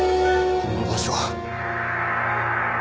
この場所は。